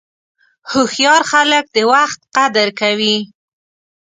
هوښیار خلک د وخت قدر کوي.